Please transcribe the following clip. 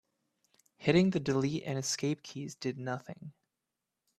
Hitting the delete and escape keys did nothing.